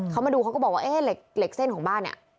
เขามาดูเขาก็บอกว่าเอ๊ะเหล็กเส้นของบ้านเนี่ย